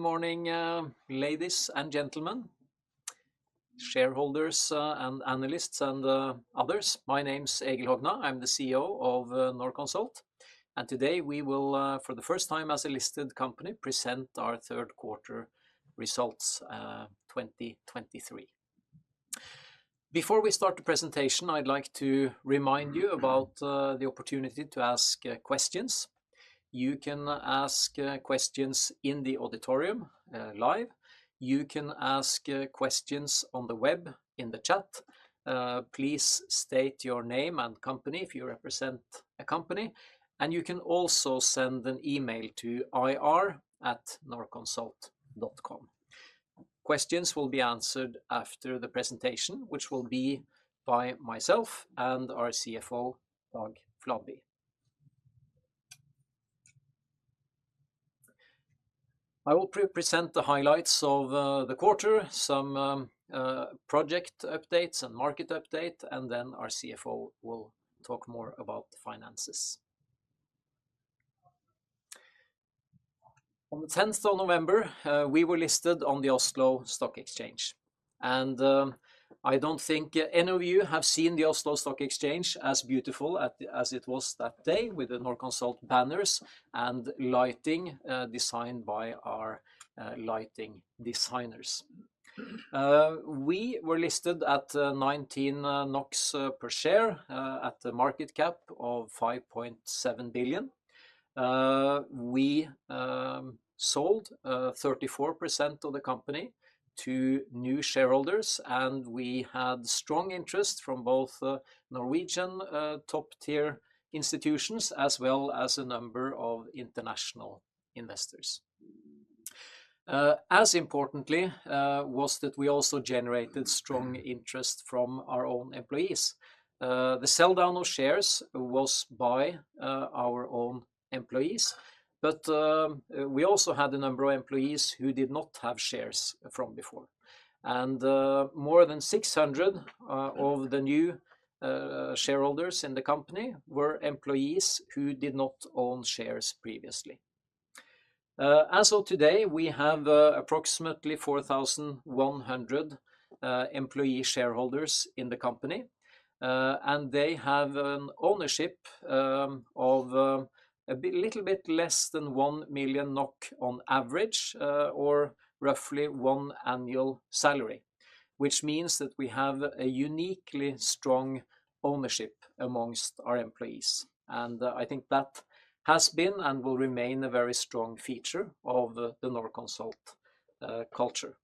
Good morning, ladies and gentlemen, shareholders, and analysts, and others. My name's Egil Hogna. I'm the CEO of Norconsult, and today we will, for the first time as a listed company, present our third quarter results, 2023. Before we start the presentation, I'd like to remind you about the opportunity to ask questions. You can ask questions in the auditorium, live. You can ask questions on the web, in the chat. Please state your name and company, if you represent a company, and you can also send an email to ir@norconsult.com. Questions will be answered after the presentation, which will be by myself and our CFO, Dag Fladby. I will pre-present the highlights of the quarter, some project updates and market update, and then our CFO will talk more about finances. On the 10th of November, we were listed on the Oslo Stock Exchange, and I don't think any of you have seen the Oslo Stock Exchange as beautiful as it was that day with the Norconsult banners and lighting designed by our lighting designers. We were listed at 19 NOK per share at a market cap of 5.7 billion. We sold 34% of the company to new shareholders, and we had strong interest from both Norwegian top-tier institutions, as well as a number of international investors. As importantly was that we also generated strong interest from our own employees. The sell-down of shares was by our own employees, but we also had a number of employees who did not have shares from before. And more than 600 of the new shareholders in the company were employees who did not own shares previously. As of today, we have approximately 4,100 employee shareholders in the company, and they have an ownership of a little bit less than 1 million NOK on average, or roughly one annual salary, which means that we have a uniquely strong ownership amongst our employees. And I think that has been and will remain a very strong feature of the Norconsult culture.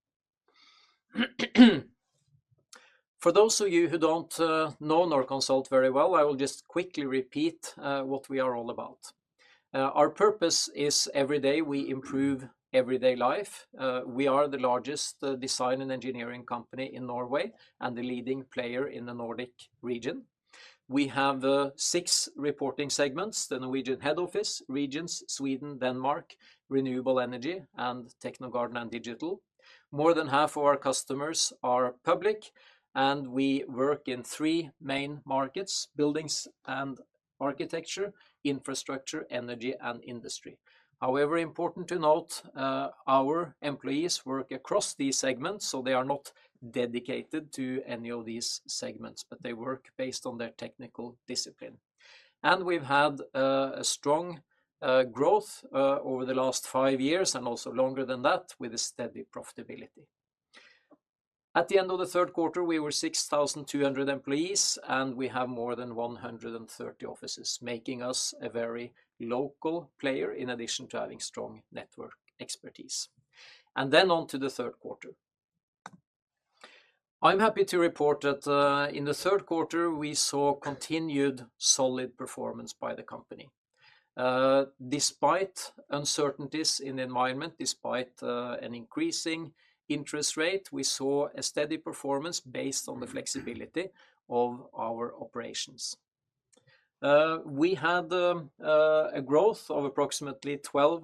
For those of you who don't know Norconsult very well, I will just quickly repeat what we are all about. Our purpose is: every day, we improve everyday life. We are the largest design and engineering company in Norway and the leading player in the Nordic region. We have six reporting segments: the Norwegian head office, Regions, Sweden, Denmark, Renewable Energy, and Technogarden and Digital. More than half of our customers are public, and we work in three main markets: buildings and architecture, infrastructure, energy and industry. However, important to note, our employees work across these segments, so they are not dedicated to any of these segments, but they work based on their technical discipline. And we've had a strong growth over the last five years, and also longer than that, with a steady profitability. At the end of the third quarter, we were 6,200 employees, and we have more than 130 offices, making us a very local player, in addition to having strong network expertise. And then on to the third quarter. I'm happy to report that, in the third quarter, we saw continued solid performance by the company. Despite uncertainties in the environment, despite an increasing interest rate, we saw a steady performance based on the flexibility of our operations. We had a growth of approximately 12%,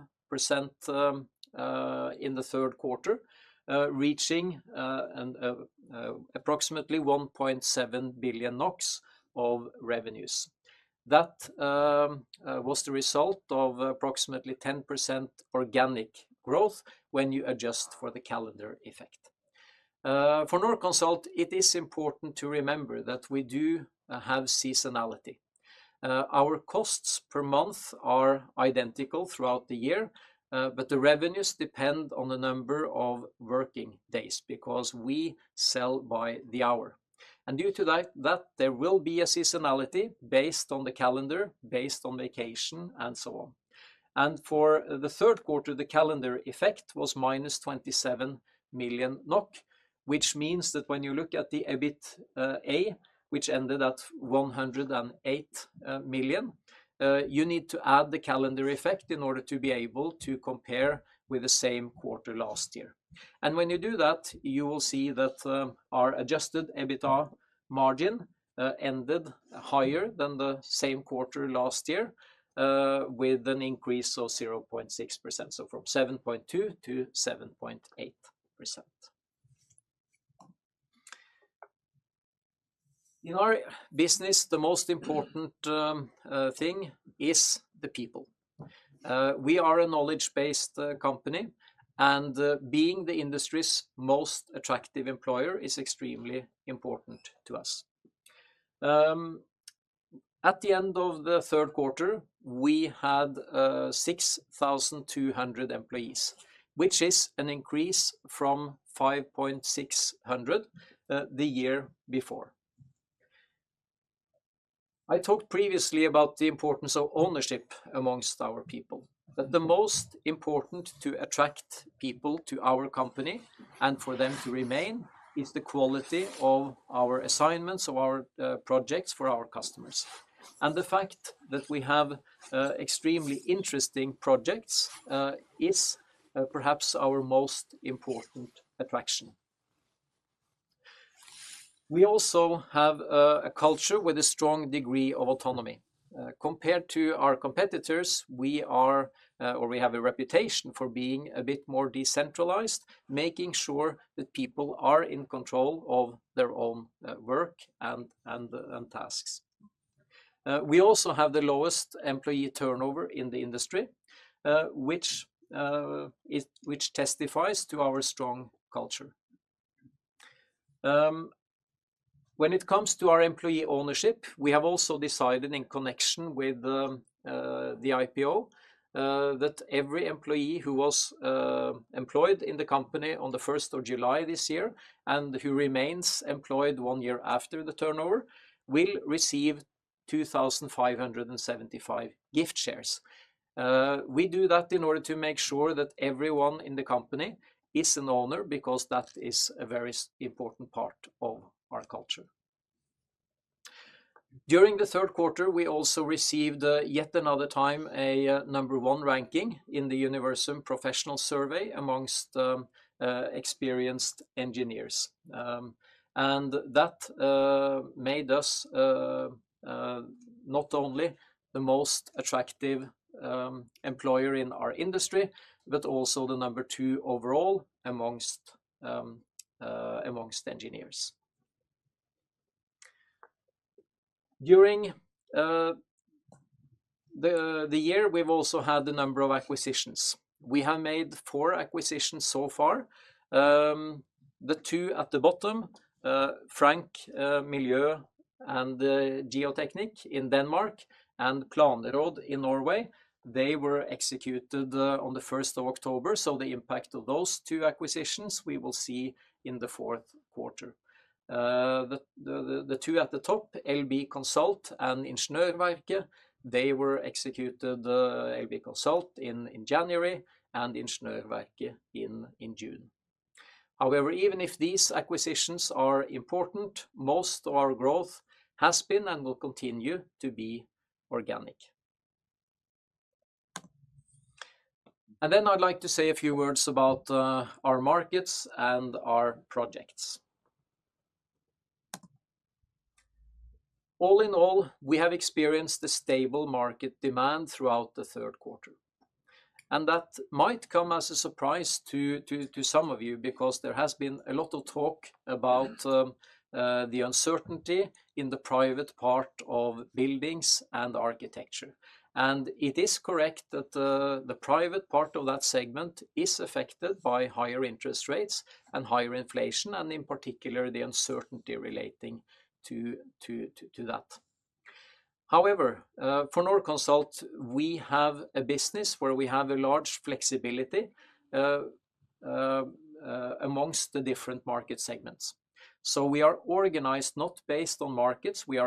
in the third quarter, reaching and approximately 1.7 billion NOK of revenues. That was the result of approximately 10% organic growth when you adjust for the calendar effect. For Norconsult, it is important to remember that we do have seasonality. Our costs per month are identical throughout the year, but the revenues depend on the number of working days because we sell by the hour. Due to that, there will be a seasonality based on the calendar, based on vacation, and so on. For the third quarter, the calendar effect was -27 million NOK, which means that when you look at the EBITDA, which ended at 108 million, you need to add the calendar effect in order to be able to compare with the same quarter last year. When you do that, you will see that our adjusted EBITDA margin ended higher than the same quarter last year with an increase of 0.6%. From 7.2% to 7.8%. In our business, the most important thing is the people. We are a knowledge-based company, and being the industry's most attractive employer is extremely important to us. At the end of the third quarter, we had 6,200 employees, which is an increase from 5,600 the year before. I talked previously about the importance of ownership among our people, that the most important to attract people to our company and for them to remain, is the quality of our assignments, of our projects for our customers. And the fact that we have extremely interesting projects is perhaps our most important attraction. We also have a culture with a strong degree of autonomy. Compared to our competitors, we are or we have a reputation for being a bit more decentralized, making sure that people are in control of their own work and tasks. We also have the lowest employee turnover in the industry, which testifies to our strong culture. When it comes to our employee ownership, we have also decided in connection with the IPO, that every employee who was employed in the company on the July 1st this year, and who remains employed one year after the turnover, will receive 2,575 gift shares. We do that in order to make sure that everyone in the company is an owner, because that is a very important part of our culture. During the third quarter, we also received yet another time a number one ranking in the Universum Professional Survey amongst experienced engineers. And that made us not only the most attractive employer in our industry, but also the number two overall among engineers. During the year, we've also had a number of acquisitions. We have made four acquisitions so far. The two at the bottom, Frank Miljø & Geoteknik in Denmark, and Planråd in Norway, they were executed on the October 1st, so the impact of those two acquisitions, we will see in the fourth quarter. The two at the top, LB Consult and Ingeniørverket, they were executed, LB Consult in January and Ingeniørverket in June. However, even if these acquisitions are important, most of our growth has been and will continue to be organic. And then I'd like to say a few words about our markets and our projects. All in all, we have experienced a stable market demand throughout the third quarter. That might come as a surprise to some of you, because there has been a lot of talk about the uncertainty in the private part of buildings and architecture. It is correct that the private part of that segment is affected by higher interest rates and higher inflation, and in particular, the uncertainty relating to that. However, for Norconsult, we have a business where we have a large flexibility among the different market segments. We are organized, not based on markets. We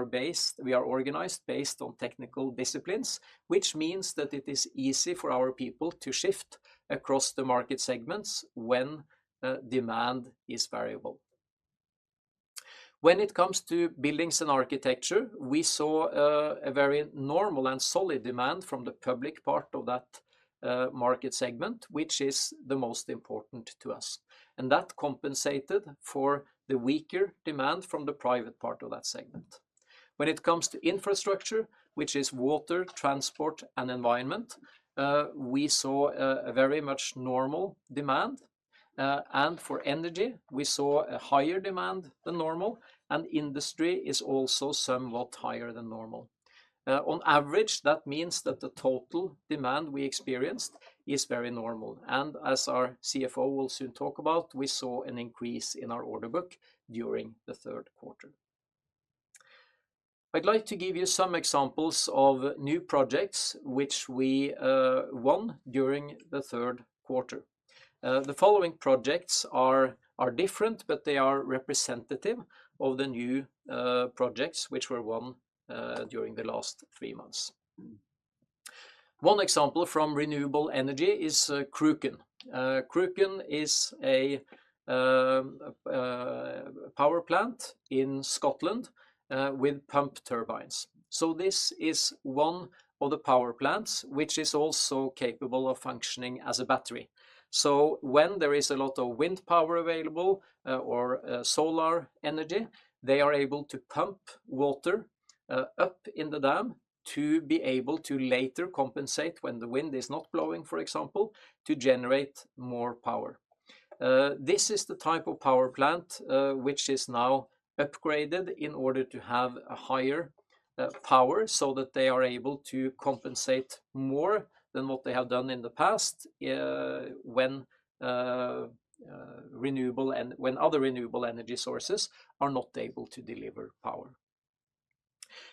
are organized based on technical disciplines, which means that it is easy for our people to shift across the market segments when demand is variable. When it comes to buildings and architecture, we saw a very normal and solid demand from the public part of that market segment, which is the most important to us, and that compensated for the weaker demand from the private part of that segment. When it comes to infrastructure, which is water, transport, and environment, we saw a very much normal demand, and for energy, we saw a higher demand than normal, and industry is also somewhat higher than normal. On average, that means that the total demand we experienced is very normal, and as our CFO will soon talk about, we saw an increase in our order book during the third quarter. I'd like to give you some examples of new projects which we won during the third quarter. The following projects are different, but they are representative of the new projects which were won during the last three months. One example from renewable energy is Cruachan. Cruachan is a power plant in Scotland with pump turbines. So this is one of the power plants which is also capable of functioning as a battery. So when there is a lot of wind power available or solar energy, they are able to pump water up in the dam to be able to later compensate when the wind is not blowing, for example, to generate more power. This is the type of power plant, which is now upgraded in order to have a higher power, so that they are able to compensate more than what they have done in the past, when renewable and when other renewable energy sources are not able to deliver power.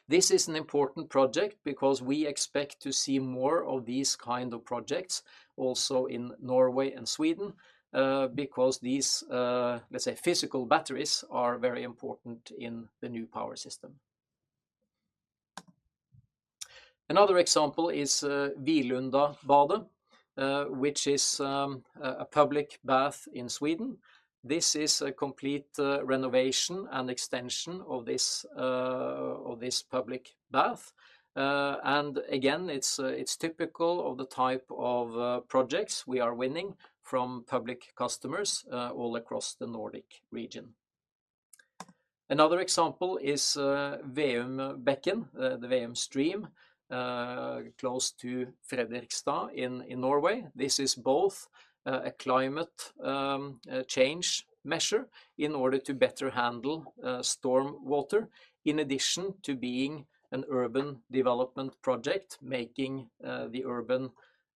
This is an important project because we expect to see more of these kind of projects also in Norway and Sweden, because these, let's say, physical batteries are very important in the new power system. Another example is Vilundabadet, which is a public bath in Sweden. This is a complete renovation and extension of this public bath. And again, it's typical of the type of projects we are winning from public customers all across the Nordic region. Another example is Veumbekken, the Veum Stream, close to Fredrikstad in Norway. This is both a climate change measure in order to better handle storm water, in addition to being an urban development project, making the urban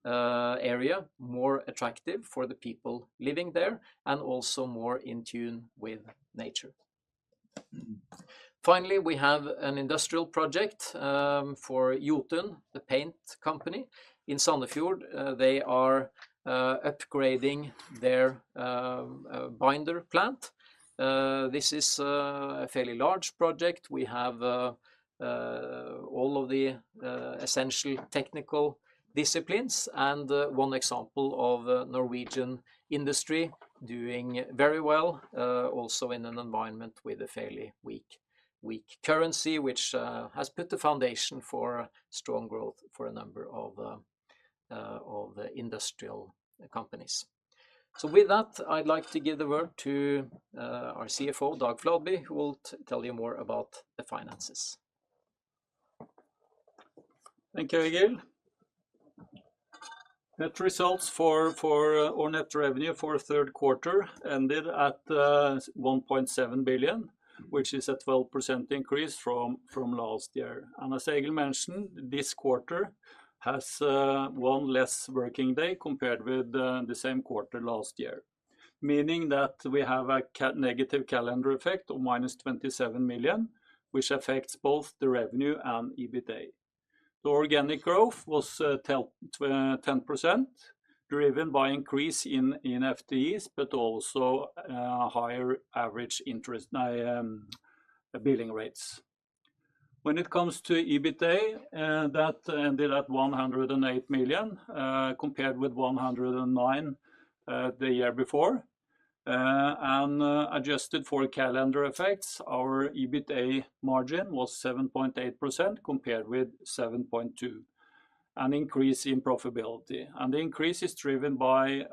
area more attractive for the people living there, and also more in tune with nature. Finally, we have an industrial project for Jotun, the paint company in Sandefjord. They are upgrading their binder plant. This is a fairly large project. We have all of the essential technical disciplines, and one example of a Norwegian industry doing very well, also in an environment with a fairly weak currency, which has put the foundation for strong growth for a number of the industrial companies. With that, I'd like to give the word to our CFO, Dag Fladby, who will tell you more about the finances. Thank you, Egil. Net results for our net revenue for the third quarter ended at 1.7 billion, which is a 12% increase from last year. And as Egil mentioned, this quarter has one less working day compared with the same quarter last year, meaning that we have a negative calendar effect of -27 million, which affects both the revenue and EBITDA. The organic growth was 10%, driven by increase in FTEs, but also higher average interest billing rates. When it comes to EBITDA, that ended at 108 million, compared with 109 million the year before. And adjusted for calendar effects, our EBITDA margin was 7.8%, compared with 7.2%, an increase in profitability. The increase is driven by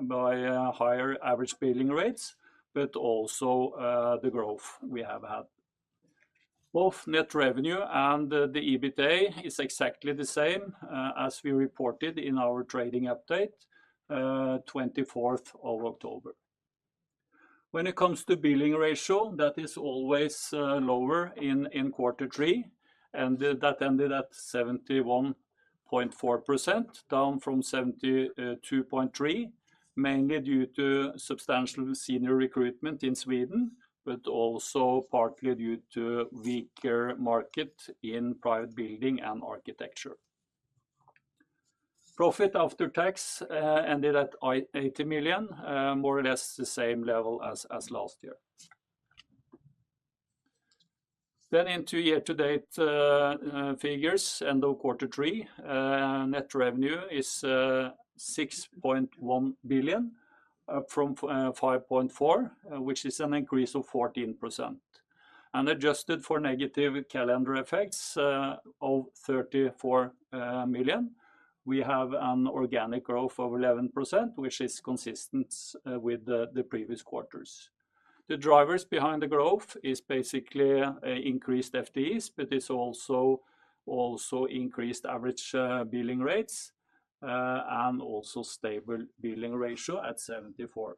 higher average billing rates, but also the growth we have had. Both net revenue and the EBITDA is exactly the same as we reported in our trading update, 24th of October. When it comes to billing ratio, that is always lower in quarter three, and that ended at 71.4%, down from 72.3%, mainly due to substantial senior recruitment in Sweden, but also partly due to weaker market in private building and architecture. Profit after tax ended at 80 million, more or less the same level as last year. Into year-to-date figures, end of quarter three, net revenue is 6.1 billion, up from 5.4 billion, which is an increase of 14%. And adjusted for negative calendar effects of 34 million, we have an organic growth of 11%, which is consistent with the previous quarters. The drivers behind the growth is basically increased FTEs, but it's also increased average billing rates and also stable billing ratio at 74%.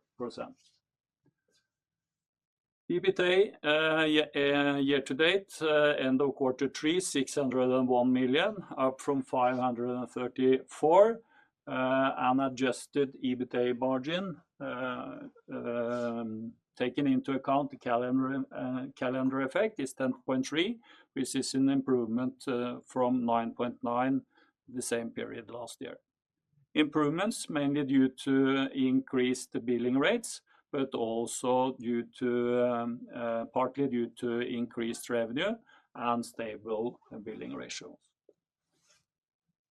EBITDA year-to-date end of quarter three, 601 million, up from 534 million, an adjusted EBITDA margin taking into account the calendar effect is 10.3%, which is an improvement from 9.9%, the same period last year. Improvements mainly due to increased billing rates, but also due to partly due to increased revenue and stable billing ratios.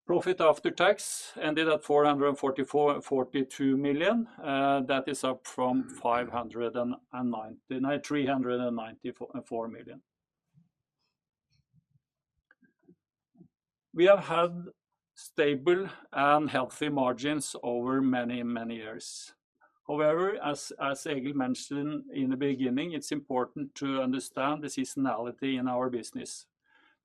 Profit after tax ended at 444.2 million, that is up from 394.4 million. We have had stable and healthy margins over many, many years. However, as Egil mentioned in the beginning, it's important to understand the seasonality in our business,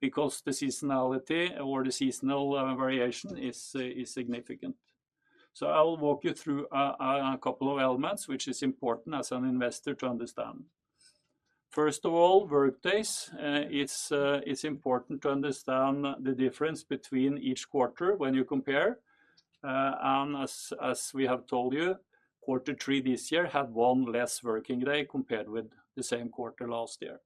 because the seasonality or the seasonal variation is significant. So I will walk you through a couple of elements, which is important as an investor to understand. First of all, workdays, it's important to understand the difference between each quarter when you compare. And as we have told you, quarter three this year had one less working day compared with the same quarter last year.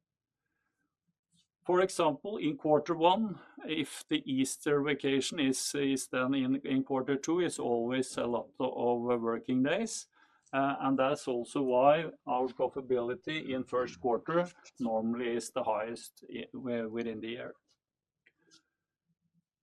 For example, in quarter one, if the Easter vacation is then in quarter two, is always a lot of working days. And that's also why our profitability in first quarter normally is the highest within the year.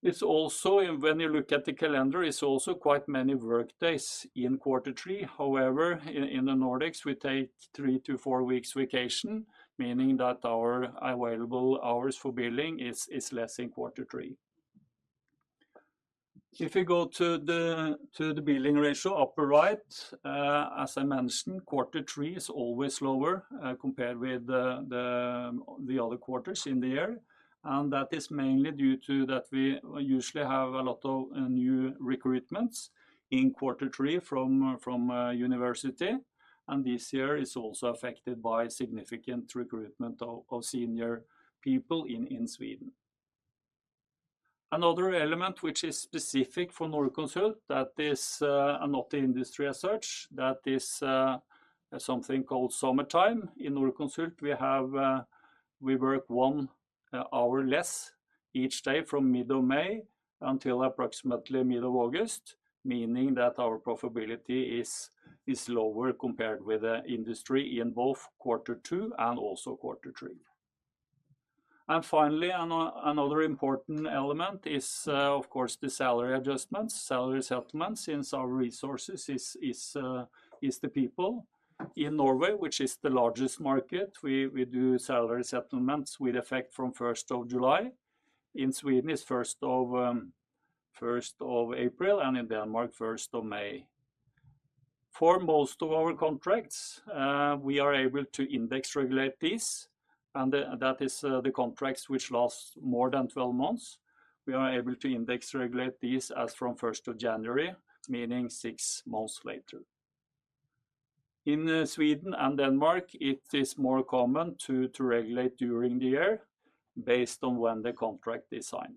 It's also, when you look at the calendar, is also quite many workdays in quarter three. However, in the Nordics, we take three to four weeks vacation, meaning that our available hours for billing is less in quarter three. If you go to the billing ratio, upper right, as I mentioned, quarter three is always lower, compared with the other quarters in the year, and that is mainly due to that we usually have a lot of new recruitments in quarter three from university, and this year is also affected by significant recruitment of senior people in Sweden. Another element, which is specific for Norconsult, that is not industry as such, that is something called summertime. In Norconsult, we work one hour less each day from middle May until approximately middle August, meaning that our profitability is lower compared with the industry in both quarter two and also quarter three. And finally, another important element is, of course, the salary adjustments, salary settlements, since our resources is the people. In Norway, which is the largest market, we do salary settlements with effect from July 1st. In Sweden, it's April 1st, and in Denmark, May 1st. For most of our contracts, we are able to index regulate this, and that is the contracts which last more than 12 months. We are able to index regulate this as from January 1st, meaning six months later. In Sweden and Denmark, it is more common to regulate during the year based on when the contract is signed.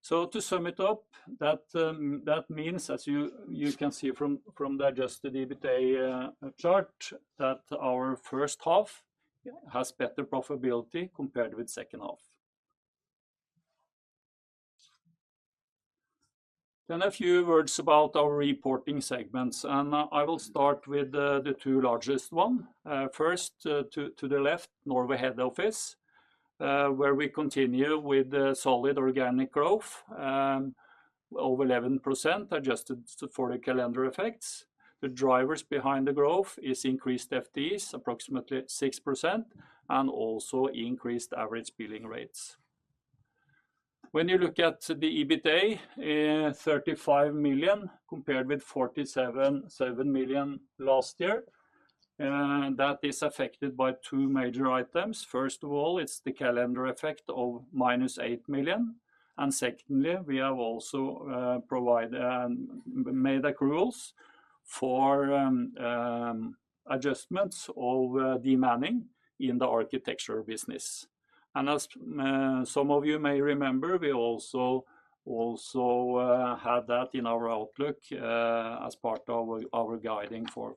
So to sum it up, that means, as you can see from the adjusted EBITDA chart, that our first half has better profitability compared with second half. Then a few words about our reporting segments, and I will start with the two largest one. First, to the left, Norway head office, where we continue with the solid organic growth, over 11%, adjusted for the calendar effects. The drivers behind the growth is increased FTEs, approximately 6%, and also increased average billing rates. When you look at the EBITDA, 35 million, compared with 47 million last year, that is affected by two major items. First of all, it's the calendar effect of -8 million, and secondly, we have also provided, made accruals for adjustments of demanning in the architecture business. As some of you may remember, we also had that in our outlook, as part of our guiding for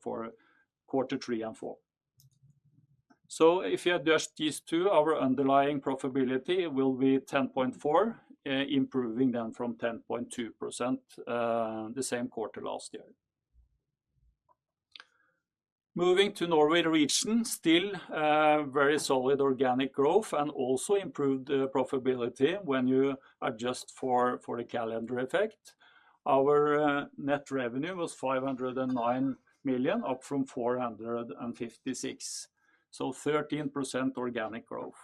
quarter three and four. So if you adjust these two, our underlying profitability will be 10.4%, improving them from 10.2% the same quarter last year. Moving to Norway region, still very solid organic growth and also improved profitability when you adjust for the calendar effect. Our net revenue was 509 million, up from 456 million, so 13% organic growth.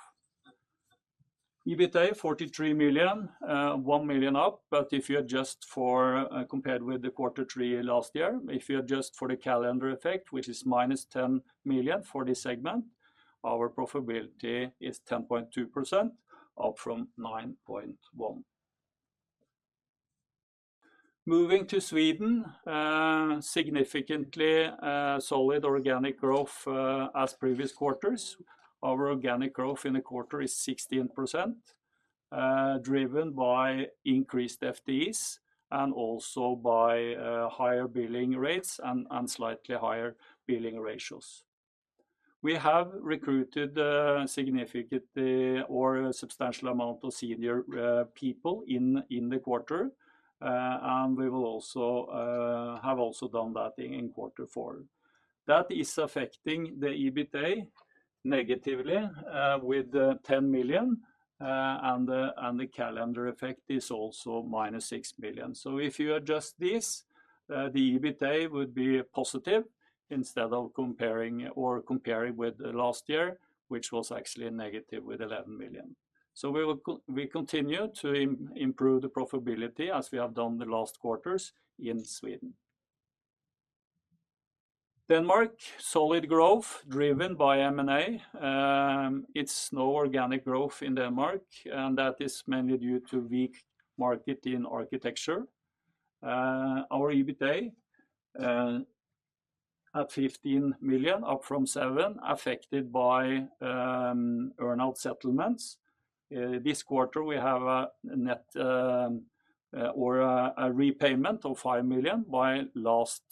EBITDA, 43 million, 1 million up. But if you adjust for compared with the quarter three last year, if you adjust for the calendar effect, which is -10 million for this segment, our profitability is 10.2%, up from 9.1%. Moving to Sweden, significantly solid organic growth as previous quarters. Our organic growth in the quarter is 16%, driven by increased FTEs and also by higher billing rates and slightly higher billing ratios. We have recruited significantly or a substantial amount of senior people in the quarter, and we will also have also done that in quarter four. That is affecting the EBITDA negatively with 10 million, and the calendar effect is also -6 million. So if you adjust this, the EBITDA would be positive instead of comparing with the last year, which was actually negative with 11 million. So we will continue to improve the profitability as we have done the last quarters in Sweden. Denmark, solid growth driven by M&A. It's no organic growth in Denmark, and that is mainly due to weak market in architecture. Our EBITDA at 15 million, up from 7 million, affected by earn-out settlements. This quarter, we have a net or a repayment of 5 million, while last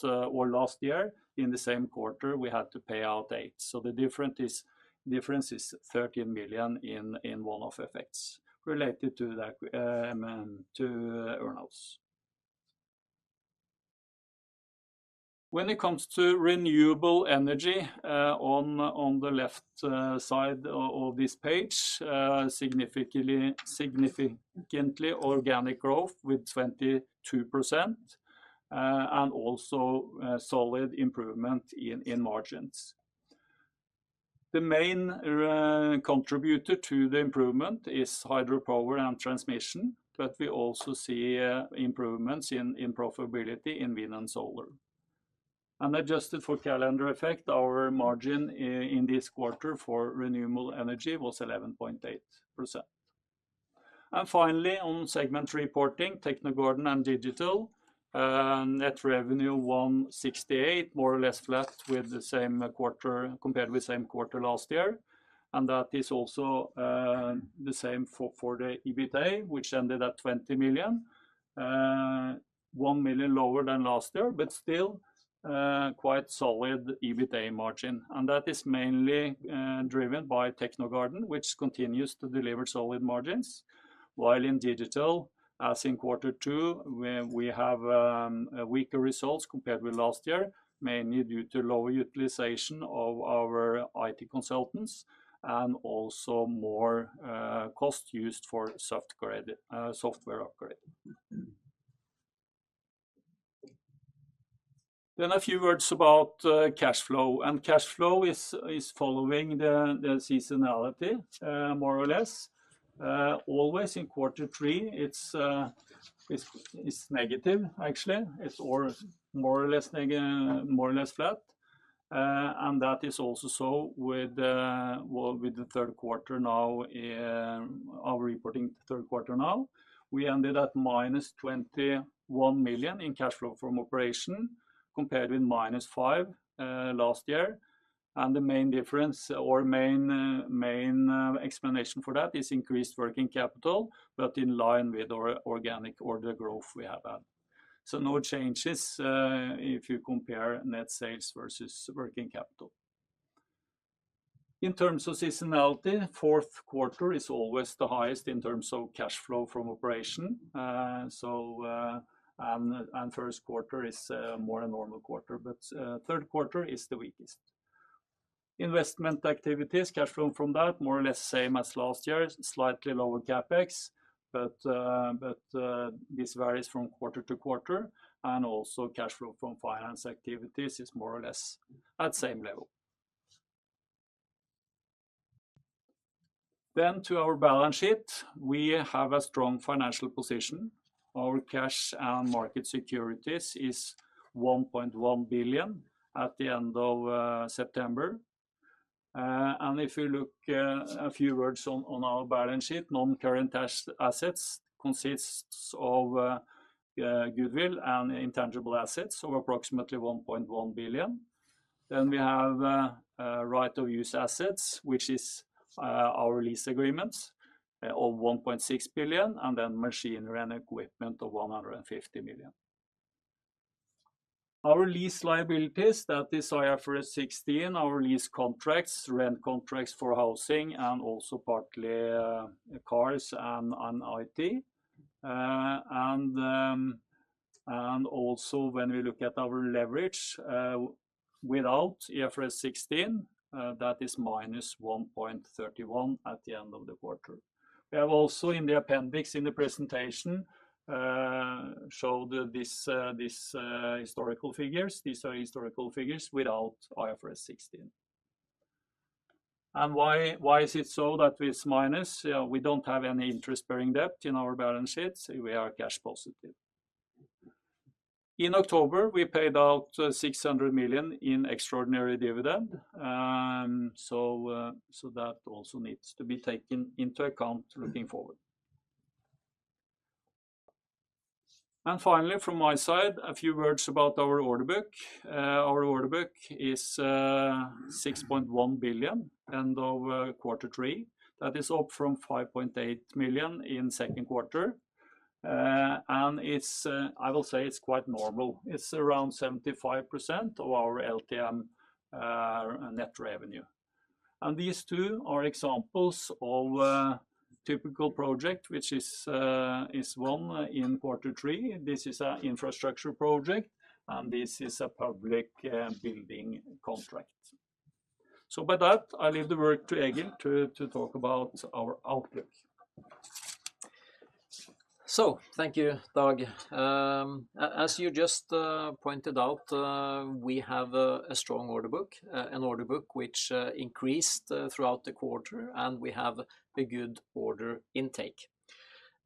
year, in the same quarter, we had to pay out 8 million. So the difference is 13 million in one-off effects related to that, M&A to earn-outs. When it comes to renewable energy, on the left side of this page, significantly organic growth with 22%, and also solid improvement in margins. The main contributor to the improvement is hydropower and transmission, but we also see improvements in profitability in wind and solar. Adjusted for calendar effect, our margin in this quarter for renewable energy was 11.8%. Finally, on segment reporting, Technogarden and Digital, net revenue 168 million, more or less flat with the same quarter compared with the same quarter last year. And that is also the same for the EBITDA, which ended at 20 million, 1 million lower than last year, but still quite solid EBITDA margin. And that is mainly driven by Technogarden, which continues to deliver solid margins. While in Digital, as in quarter two, where we have weaker results compared with last year, mainly due to lower utilization of our IT consultants and also more cost used for software upgrade. Then a few words about cash flow. Cash flow is following the seasonality, more or less. Always in quarter three, it's negative, actually. It's more or less flat. And that is also so with, well, with the third quarter now, our reporting third quarter now. We ended at -21 million in cash flow from operation, compared with -5 million last year. And the main difference or main explanation for that is increased working capital, but in line with our organic order growth we have had. So no changes if you compare net sales versus working capital. In terms of seasonality, fourth quarter is always the highest in terms of cash flow from operation. So, and first quarter is more a normal quarter, but third quarter is the weakest. Investment activities, cash flow from that, more or less same as last year, slightly lower CapEx, but this varies from quarter to quarter, and also cash flow from finance activities is more or less at the same level. Then to our balance sheet, we have a strong financial position. Our cash and market securities is 1.1 billion at the end of September. And if you look, a few words on our balance sheet, non-current assets consists of goodwill and intangible assets, so approximately 1.1 billion. Then we have right of use assets, which is our lease agreements of 1.6 billion, and then machinery and equipment of 150 million. Our lease liabilities, that is IFRS 16, our lease contracts, rent contracts for housing and also partly cars and IT. And also, when we look at our leverage without IFRS 16, that is -1.31 at the end of the quarter. We have also, in the appendix, in the presentation, showed this historical figures. These are historical figures without IFRS 16. And why is it so that it's minus? We don't have any interest-bearing debt in our balance sheet, so we are cash positive. In October, we paid out 600 million in extraordinary dividend, so that also needs to be taken into account looking forward. And finally, from my side, a few words about our order book. Our order book is 6.1 billion, end of quarter three. That is up from 5.8 million in second quarter. It's quite normal. It's around 75% of our LTM net revenue. These two are examples of a typical project, which is one in quarter three. This is an infrastructure project, and this is a public building contract. So with that, I leave the work to Egil to talk about our outlook. So thank you, Dag. As you just pointed out, we have a strong order book, an order book which increased throughout the quarter, and we have a good order intake.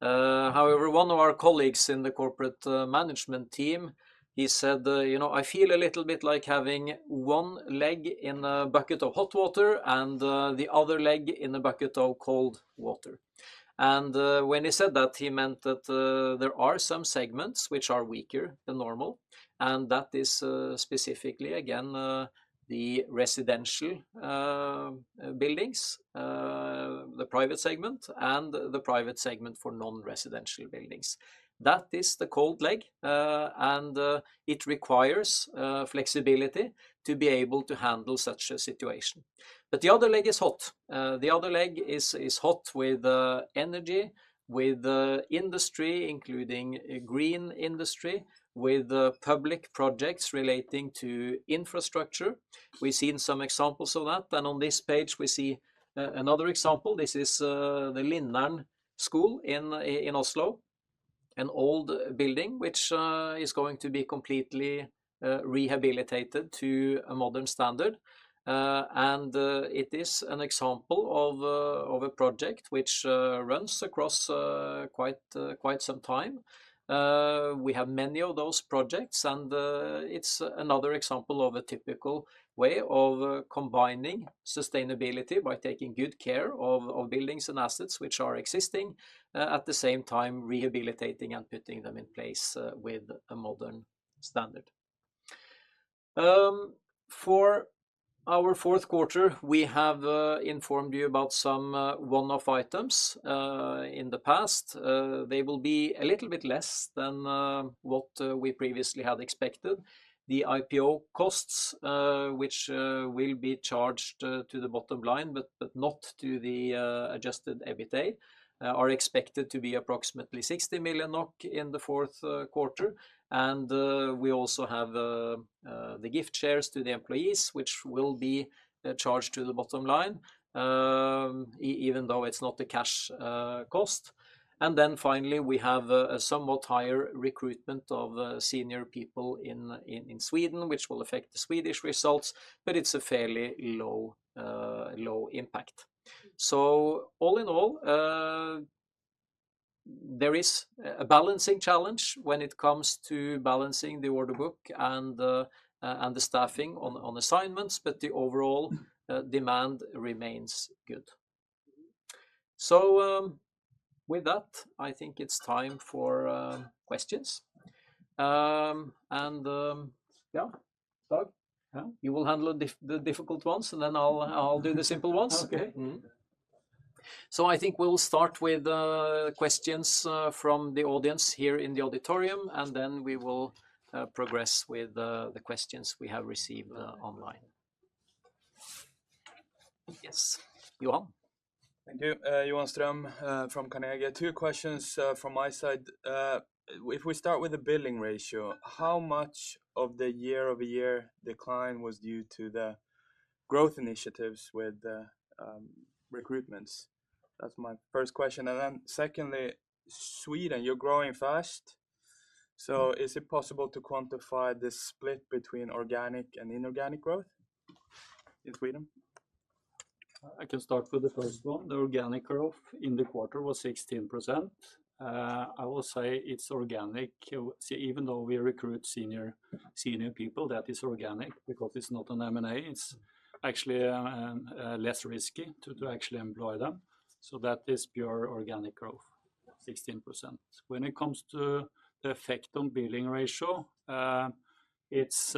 However, one of our colleagues in the corporate management team, he said, "You know, I feel a little bit like having one leg in a bucket of hot water and the other leg in a bucket of cold water." And when he said that, he meant that there are some segments which are weaker than normal, and that is specifically, again, the residential buildings, the private segment, and the private segment for non-residential buildings. That is the cold leg, and it requires flexibility to be able to handle such a situation. But the other leg is hot. The other leg is hot with energy, with the industry, including a green industry, with the public projects relating to infrastructure. We've seen some examples of that, and on this page we see another example. This is the Lindern school in Oslo. An old building, which is going to be completely rehabilitated to a modern standard. And it is an example of a project which runs across quite some time. We have many of those projects, and it's another example of a typical way of combining sustainability by taking good care of buildings and assets which are existing, at the same time, rehabilitating and putting them in place with a modern standard. For our fourth quarter, we have informed you about some one-off items in the past. They will be a little bit less than what we previously had expected. The IPO costs, which will be charged to the bottom line, but not to the adjusted EBITDA, are expected to be approximately 60 million NOK in the fourth quarter. We also have the gift shares to the employees, which will be charged to the bottom line, even though it's not a cash cost. Then finally, we have a somewhat higher recruitment of senior people in Sweden, which will affect the Swedish results, but it's a fairly low impact. So all in all, there is a balancing challenge when it comes to balancing the order book and the staffing on assignments, but the overall demand remains good. So, with that, I think it's time for questions. And, yeah, Stig? Yeah. You will handle the difficult ones, and then I'll do the simple ones. Okay. Mm-hmm. So I think we'll start with questions from the audience here in the auditorium, and then we will progress with the questions we have received online. Yes, Johan. Thank you. Johan Ström from Carnegie. Two questions from my side. If we start with the billing ratio, how much of the year-over-year decline was due to the growth initiatives with the recruitments? That's my first question. And then secondly, Sweden, you're growing fast. So is it possible to quantify the split between organic and inorganic growth in Sweden? I can start with the first one. The organic growth in the quarter was 16%. I will say it's organic. See, even though we recruit senior, senior people, that is organic because it's not an M&A. It's actually less risky to, to actually employ them. So that is pure organic growth, 16%. When it comes to the effect on billing ratio, it's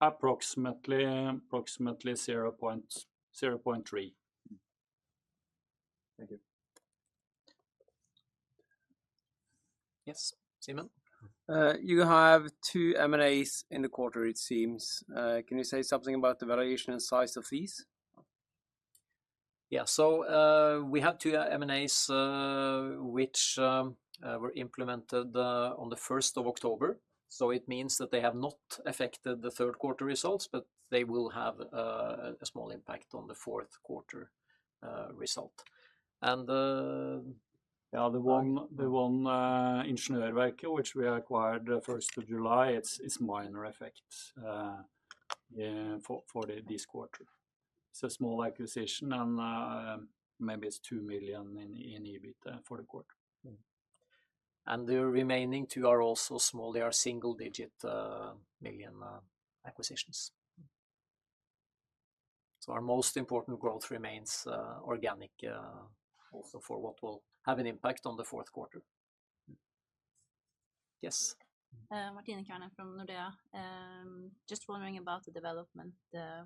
approximately, approximately 0.3. Thank you. Yes, Simen? You have two M&As in the quarter, it seems. Can you say something about the valuation and size of these? Yeah. So, we have two M&As, which were implemented on the October 1st. So it means that they have not affected the third quarter results, but they will have a small impact on the fourth quarter result. And... Yeah, the one, Ingeniørverket, which we acquired July 1st, it's minor effect, yeah, for this quarter. It's a small acquisition, and maybe it's 2 million in EBITDA for the quarter. Mm-hmm. And the remaining two are also small. They are single-digit million acquisitions. So our most important growth remains organic, also for what will have an impact on the fourth quarter. Yes. Martine Kanne from Nordea. Just wondering about the development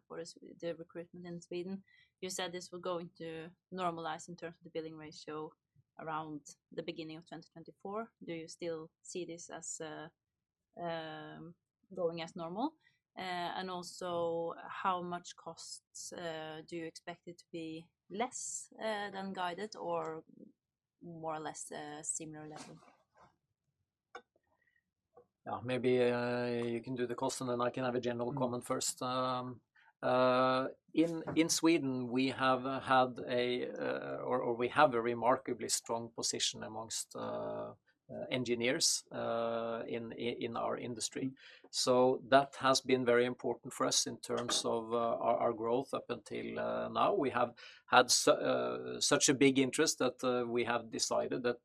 for the recruitment in Sweden. You said this will going to normalize in terms of the billing ratio around the beginning of 2024. Do you still see this as going as normal? And also, how much costs do you expect it to be less than guided or more or less similar level? Yeah, maybe, you can do the cost, and then I can have a general comment first. In Sweden, we have had a, or we have a remarkably strong position amongst engineers in our industry. So that has been very important for us in terms of our growth up until now. We have had such a big interest that we have decided that,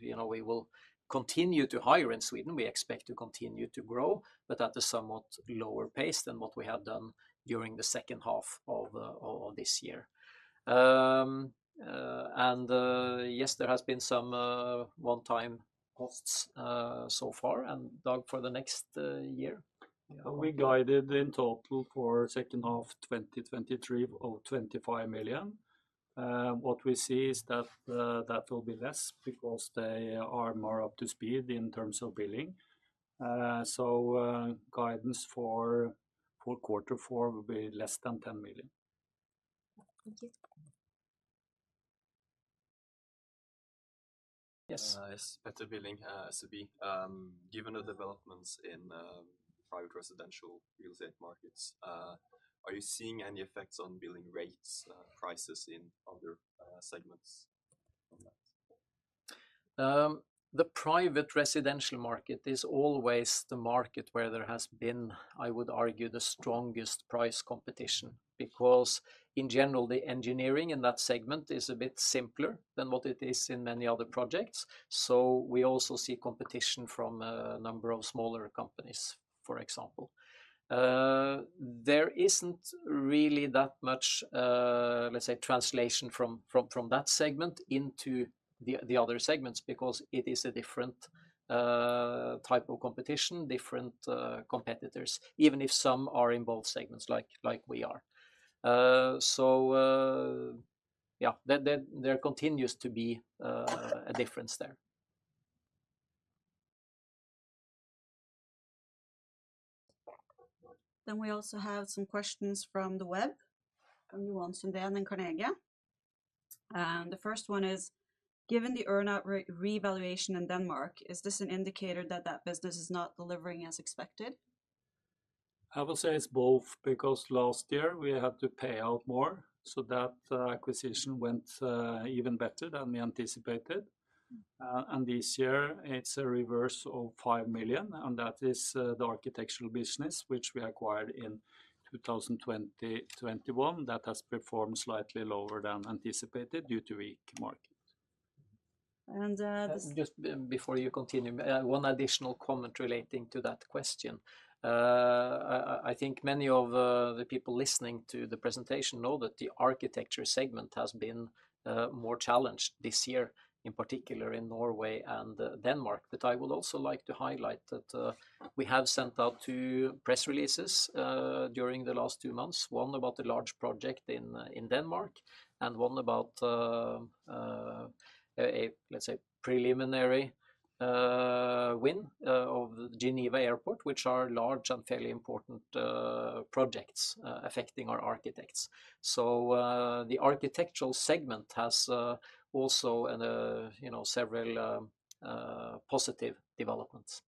you know, we will continue to hire in Sweden. We expect to continue to grow, but at a somewhat lower pace than what we have done during the second half of this year. Yes, there has been some one-time costs so far, and Dag, for the next year? We guided in total for second half of 2023 of 25 million. What we see is that that will be less because they are more up to speed in terms of billing. So, guidance for quarter four will be less than 10 million. Thank you. Yes. It's Petter Billing, SEB. Given the developments in private residential real estate markets, are you seeing any effects on billing rates, prices in other segments from that? The private residential market is always the market where there has been, I would argue, the strongest price competition, because in general, the engineering in that segment is a bit simpler than what it is in many other projects. So we also see competition from a number of smaller companies, for example. There isn't really that much, let's say, translation from that segment into the other segments, because it is a different type of competition, different competitors, even if some are in both segments, like we are. So, yeah, there continues to be a difference there. Then we also have some questions from the web, from Johan Ström in Carnegie. And the first one is: Given the earn-out revaluation in Denmark, is this an indicator that that business is not delivering as expected? I would say it's both, because last year we had to pay out more, so that, acquisition went, even better than we anticipated. And this year it's a reverse of 5 million, and that is, the architectural business, which we acquired in 2021. That has performed slightly lower than anticipated due to weak market. And, this- Just before you continue, one additional comment relating to that question. I think many of the people listening to the presentation know that the architecture segment has been more challenged this year, in particular in Norway and Denmark. But I would also like to highlight that we have sent out two press releases during the last two months. One about a large project in Denmark, and one about a, let's say, preliminary win of Geneva Airport, which are large and fairly important projects affecting our architects. So, the architectural segment has also an you know, several positive developments.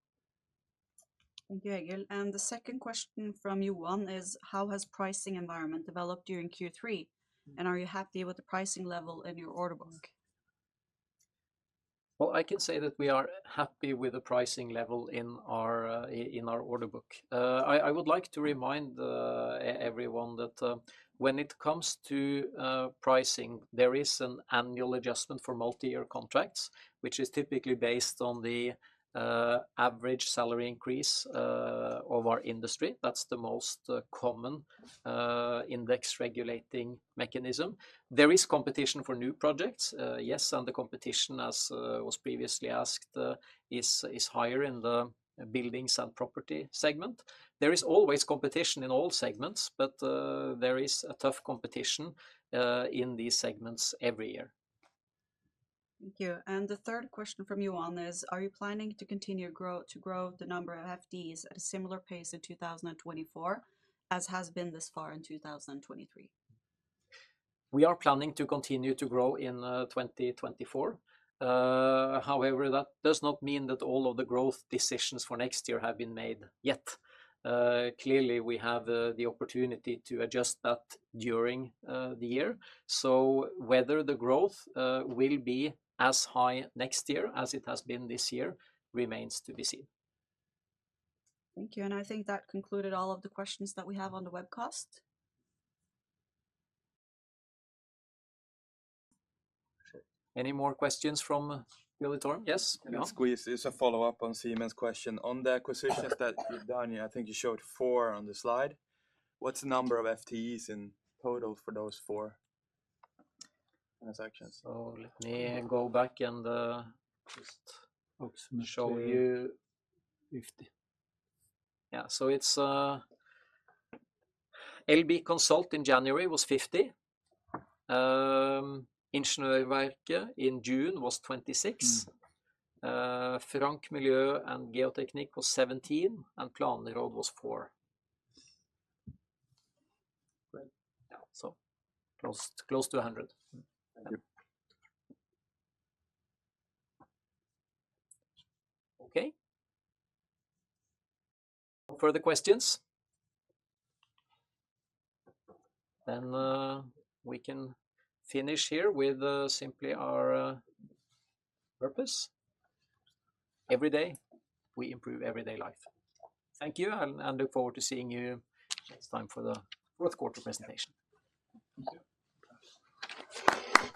Thank you, Egil. The second question from Johan is: How has pricing environment developed during Q3, and are you happy with the pricing level in your order book? Well, I can say that we are happy with the pricing level in our order book. I would like to remind everyone that, when it comes to pricing, there is an annual adjustment for multi-year contracts, which is typically based on the average salary increase of our industry. That's the most common index regulating mechanism. There is competition for new projects, yes, and the competition, as was previously asked, is higher in the buildings and property segment. There is always competition in all segments, but there is a tough competition in these segments every year. Thank you. And the third question from Johan is: Are you planning to continue to grow the number of FTEs at a similar pace in 2024, as has been this far in 2023? We are planning to continue to grow in 2024. However, that does not mean that all of the growth decisions for next year have been made yet. Clearly, we have the opportunity to adjust that during the year. So whether the growth will be as high next year as it has been this year, remains to be seen. Thank you. I think that concluded all of the questions that we have on the webcast. Any more questions from the forum? Yes, Leon. Squeeze. It's a follow-up on the Simen's question. On the acquisitions that you've done, I think you showed four on the slide. What's the number of FTEs in total for those four transactions? So let me go back and, just- Approximately... show you. Fifty. Yeah, so it's LB Consult in January was 50. Ingeniørverket in June was 26. Frank Miljø & Geoteknik was 17, and Planråd was four. Great. So close, close to 100. Thank you. Okay. No further questions? Then, we can finish here with simply our purpose. Every day, we improve everyday life. Thank you, and I look forward to seeing you next time for the fourth quarter presentation. Thank you.